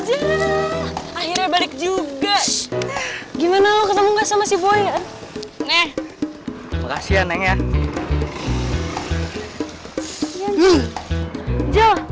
akhirnya balik juga gimana lo ketemu gak sama si boy ya neng makasih ya neng ya